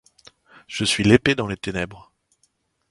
Je suis l'épée dans les ténèbres.